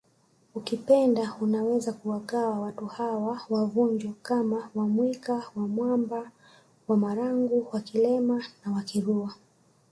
Ukipenda unaweza kuwagawa watu hawa wa Vunjo kama WaMwika WaMamba WaMarangu WaKilema na Wakirua